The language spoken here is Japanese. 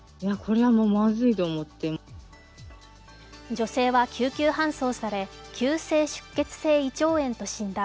女性は救急搬送され急性出血性胃腸炎と診断。